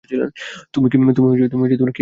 তুমি কি জন্য বিলাপ করছ?